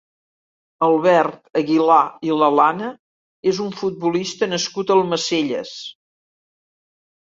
Albert Aguilà i Lalana és un futbolista nascut a Almacelles.